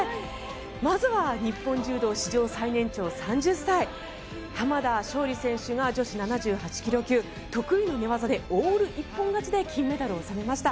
まずは日本柔道史上最年長３０歳濱田尚里選手が女子７８ｋｇ級得意の寝技でオール一本勝ちで金メダルを取りました。